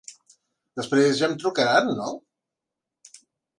Després ja em trucaran no?